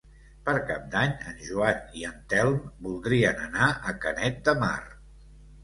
Per Cap d'Any en Joan i en Telm voldrien anar a Canet de Mar.